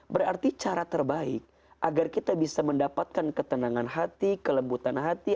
berarti cara terbaik agar kita bisa mendapatkan ketenangan hati kelembutan hati